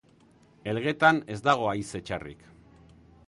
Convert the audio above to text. Elgetan ez dago haize txarrik.